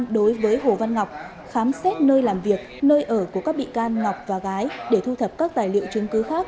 đối với hồ văn ngọc khám xét nơi làm việc nơi ở của các bị can ngọc và gái để thu thập các tài liệu chứng cứ khác